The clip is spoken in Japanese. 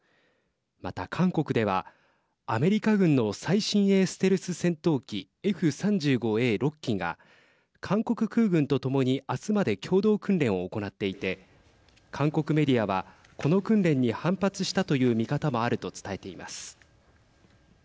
また、韓国ではアメリカ軍の最新鋭ステルス戦闘機Ｆ３５Ａ６機が韓国空軍とともにあすまで共同訓練を行っていて韓国メディアはこの訓練に反発したという見方もあると伝えています。